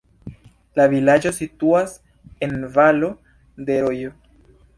La vilaĝo situas en valo de rojo.